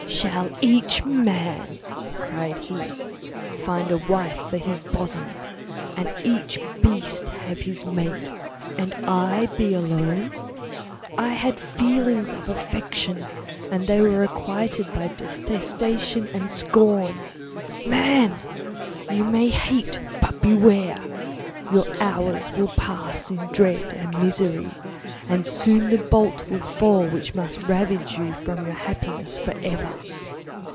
"Shall each man," cried he, "find a wife for his bosom, and each beast have his mate, and I be alone? I had feelings of affection, and they were requited by detestation and scorn. Man! You may hate, but beware! Your hours will pass in dread and misery, and soon the bolt will fall which must ravish from you your happiness for ever.